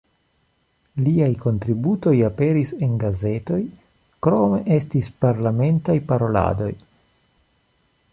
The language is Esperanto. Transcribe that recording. Liaj kontribuoj aperis en gazetoj, krome estis parlamentaj paroladoj.